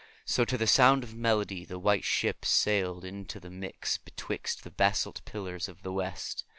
So to the sound of melody the White Ship sailed into the mist betwixt the basalt pillars of the West.